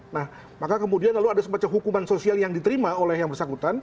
nah maka kemudian lalu ada semacam hukuman sosial yang diterima oleh yang bersangkutan